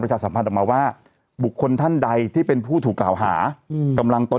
ชาสัมพันธ์ออกมาว่าบุคคลท่านใดที่เป็นผู้ถูกกล่าวหากำลังโต